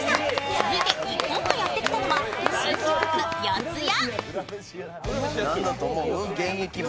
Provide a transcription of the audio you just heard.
続いて一行がやってきたのは新宿区四谷。